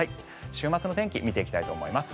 週末の天気を見ていきたいと思います。